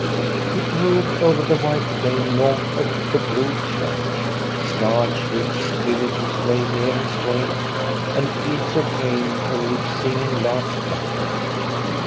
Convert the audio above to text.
He drove over the wide plain north of the Bro church. Large, rich villages lay near his way, and fields of grain, over which singing larks fluttered.